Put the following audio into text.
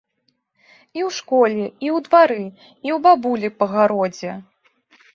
І ў школе, і ў двары, і ў бабулі па гародзе.